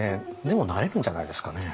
でもなれるんじゃないですかね。